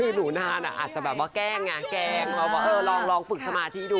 หนูนาอาจจะแกล้งลองฝึกสมาธิดู